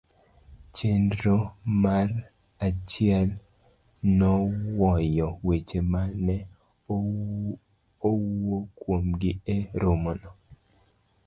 Chenro mar achiel. Nwoyo weche ma ne owuo kuomgi e romono